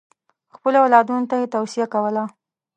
خپلو اولادونو ته یې توصیه کوله.